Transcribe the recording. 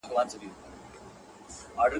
سلا نه ورڅخه غواړي چي هوښیار وي !.